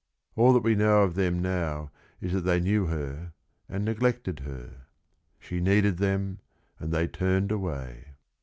All that we know of them now is that they knew her and neglected her. She needed them, and they turned away.